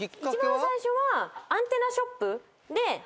一番最初はアンテナショップで。